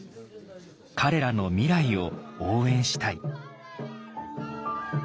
彼らの未来を応援したい。